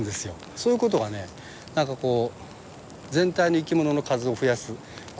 そういうことがねなんかこう全体の生き物の数を増やす効果がある。